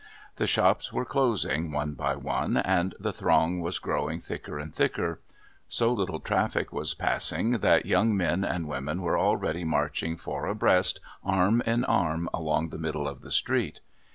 The shops were closing, one by one, and the throng was growing thicker and thicker. So little traffic was passing that young men and women were already marching four abreast, arm in arm, along the middle of the street.